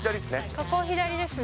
ここを左ですね。